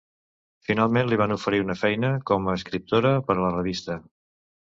Finalment li van oferir una feina com a escriptora per a la revista.